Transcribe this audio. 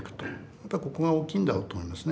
やっぱりここが大きいんだろうと思いますね。